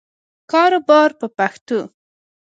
کاروبار په پښتو.